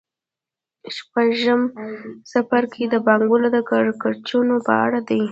شپږم څپرکی د پانګوالۍ د کړکېچونو په اړه دی